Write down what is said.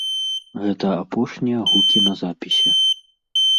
Гэта апошнія гукі на запісе.